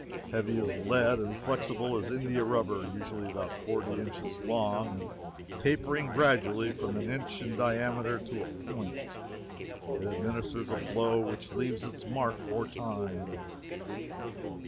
Heavy as lead, and flexible as India rubber, usually about forty inches long and tapering gradually from an inch in diameter to a point, it administers a blow which leaves its mark for time."